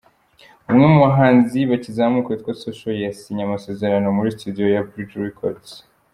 Umwe mu bahanzi bakizamuka witwa Social, yasinye amasezerano muri Studio ya Bridge Records.